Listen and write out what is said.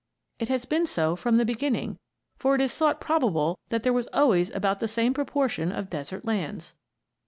It has been so from the beginning, for it is thought probable that there was always about the same proportion of desert lands.